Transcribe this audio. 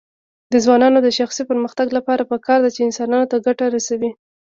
د ځوانانو د شخصي پرمختګ لپاره پکار ده چې انسانانو ته ګټه رسوي.